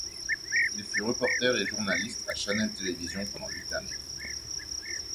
Il fut reporter et journaliste à Channel Television pendant huit années.